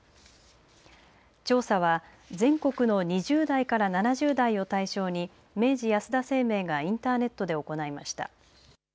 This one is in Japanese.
調査は全国の２０代から７０代を対象に明治安田生命がインターネットで行いました。